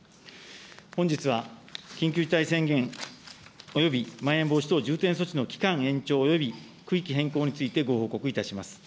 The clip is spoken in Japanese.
本日は緊急事態宣言およびまん延防止等重点措置の期間延長および区域変更について、ご報告いたします。